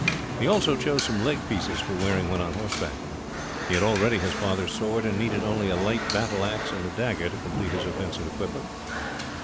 He also chose some leg pieces for wearing when on horseback. He had already his father's sword, and needed only a light battleaxe and a dagger to complete his offensive equipment.